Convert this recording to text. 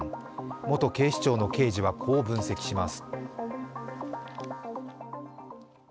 元警視庁の刑事はこう分析します。